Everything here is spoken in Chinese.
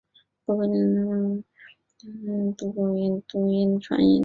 不过近代概念如伽利略虽同理却统读拟音不读传承音。